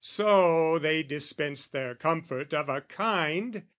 So they dispensed their comfort of a kind.